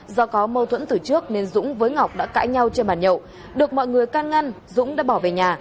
do có mâu thuẫn từ trước nên dũng với ngọc đã cãi nhau trên bàn nhậu được mọi người can ngăn dũng đã bỏ về nhà